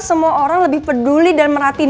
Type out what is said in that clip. semua orang lebih peduli dan meratih